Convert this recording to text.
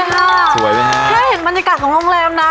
แค่เห็นบรรยากาศของโรงแรมนะ